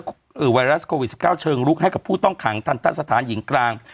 ไวรัสโควิด๑๙เชิงลุกให้กับผู้ต้องขังทันทะสถานหญิงกลาง